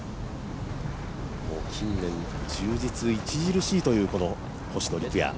近年、充実著しいという星野陸也。